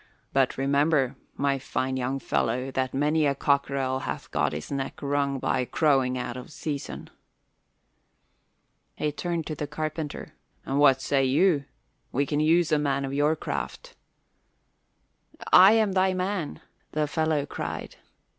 "But remember, my fine young fellow, that many a cockerel hath got his neck wrung by crowing out of season." He turned to the carpenter. "And what say you? We can use a man of your craft." "I am thy man!" the fellow cried.